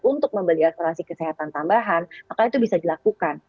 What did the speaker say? untuk membeli asuransi kesehatan tambahan maka itu bisa dilakukan